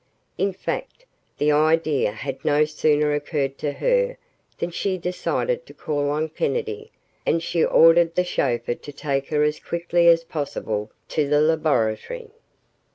In fact, the idea had no sooner occurred to her than she decided to call on Kennedy and she ordered the chauffeur to take her as quickly as possible to the laboratory.